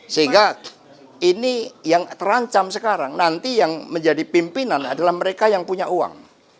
sehingga ini yang terancam sekarang nanti yang menjadi pimpinan adalah mereka yang punya uang